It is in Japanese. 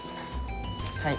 はい。